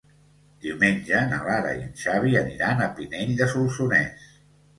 Diumenge na Lara i en Xavi aniran a Pinell de Solsonès.